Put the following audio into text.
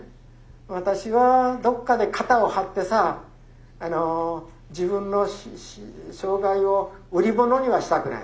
私はどっかで肩を張ってさ自分の障害を売り物にはしたくない。